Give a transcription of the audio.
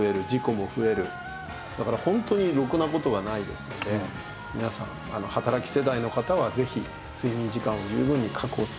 だからホントにろくな事がないですので皆さん働き世代の方はぜひ睡眠時間を十分に確保する生活をしてください。